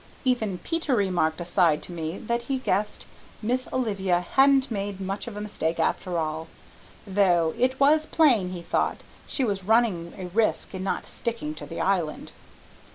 Even Peter remarked aside to me that he guessed Miss Olivia hadn't made much of a mistake after all, though it was plain he thought she was running a risk in not sticking to the Island.